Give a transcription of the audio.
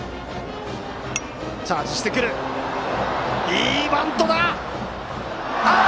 いいバントだが。